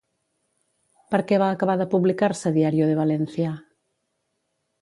Per què va acabar de publicar-se Diario de Valencia?